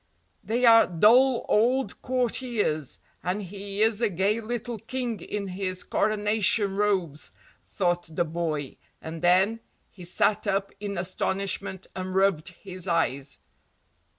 "They are dull old courtiers, and he is a gay little king in his coronation robes," thought the boy and then he sat up in astonishment and rubbed his eyes.